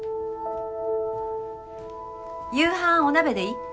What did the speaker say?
夕飯お鍋でいい？